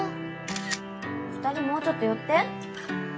もうちょっと寄って。